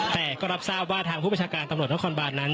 แต่ก็รับทราบว่าทางผู้ประชาการตำรวจนครบานนั้น